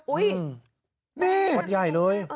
นี่วัดใหญ่เลย